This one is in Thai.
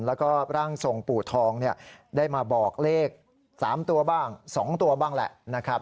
แล้วก็ร่างทรงปู่ทองได้มาบอกเลข๓ตัวบ้าง๒ตัวบ้างแหละนะครับ